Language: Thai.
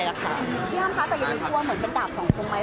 พี่ห้ามค่ะแต่ยังไม่ต้องกลัวมันเหมือนเป็นดาบสองมุมไหม